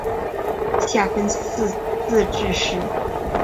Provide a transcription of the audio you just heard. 下分四自治市。